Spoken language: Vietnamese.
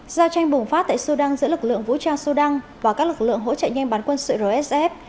giao tranh bùng phát tại sudan giữa lực lượng vũ trang sudan và các lực lượng hỗ trợ nhanh bán quân sự rsf